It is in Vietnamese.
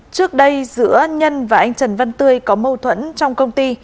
trước đây giữa nhân và anh trần văn tươi có mâu thuẫn trong công ty